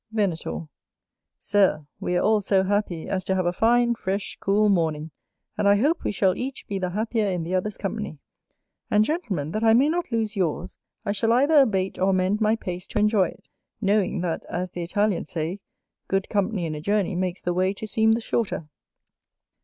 Venator. Sir, we are all so happy as to have a fine, fresh, cool morning; and I hope we shall each be the happier in the others' company. And, Gentlemen, that I may not lose yours, I shall either abate or amend my pace to enjoy it, knowing that, as the Italians say, "Good company in a journey makes the way to seem the shorter".